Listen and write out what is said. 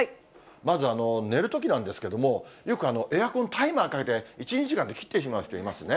まず、寝るときなんですけども、よくエアコン、タイマーかけて、１、２時間で切ってしまう人いますね。